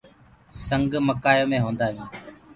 سنگ مڪآيو مي هوندوئي